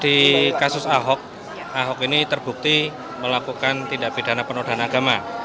di kasus ahok ahok ini terbukti melakukan tindak pidana penodaan agama